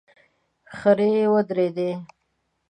خرې ودرېدې.